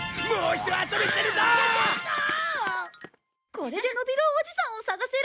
これでのび郎おじさんを探せる。